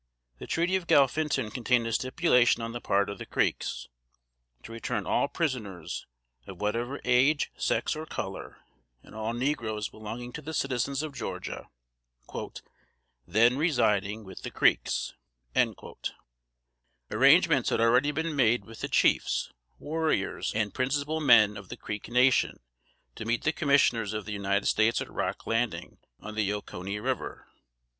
The Treaty of Galphinton contained a stipulation on the part of the Creeks, to return all prisoners, of whatever age, sex or color, and all negroes belonging to the citizens of Georgia, "then residing with the Creeks." Arrangements had already been made with the chiefs, warriors and principal men of the Creek nation, to meet the Commissioners of the United States at Rock Landing, on the Oconee River.